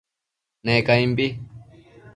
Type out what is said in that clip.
Ne caimbi